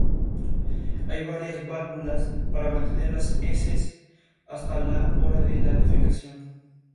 Hay varias "válvulas" para mantener las heces hasta la hora de la defecación.